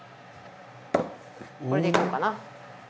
これでいこうかな。